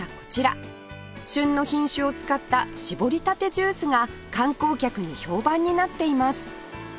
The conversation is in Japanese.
旬の品種を使った搾りたてジュースが観光客に評判になっています